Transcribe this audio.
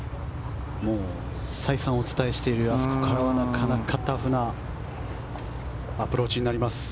もう再三お伝えしているあそこからは、なかなかタフなアプローチになります。